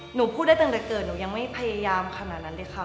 หนูพูดได้ตั้งแต่เกิดหนูยังไม่พยายามขนาดนั้นเลยค่ะ